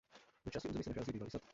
Na části území se nachází bývalý sad.